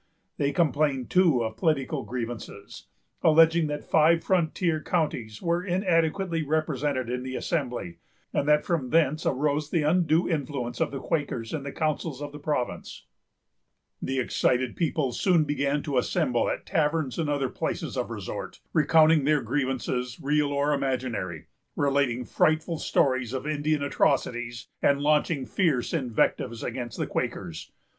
They complained, too, of political grievances, alleging that the five frontier counties were inadequately represented in the Assembly, and that from thence arose the undue influence of the Quakers in the councils of the province. The excited people soon began to assemble at taverns and other places of resort, recounting their grievances, real or imaginary; relating frightful stories of Indian atrocities, and launching fierce invectives against the Quakers.